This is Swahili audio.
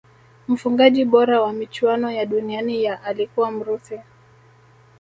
mfungaji bora wa michuano ya duniani ya alikuwa mrusi